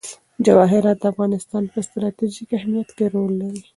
جواهرات د افغانستان په ستراتیژیک اهمیت کې رول لري.